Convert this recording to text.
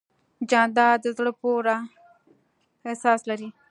جانداد د زړه پوره احساس لري.